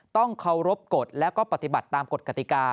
ต้องเคารพกฎและก็ปฏิบัติตามกฎกติกา